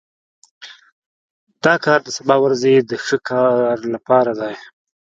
دا کار د سبا ورځې د ښه کار لپاره دی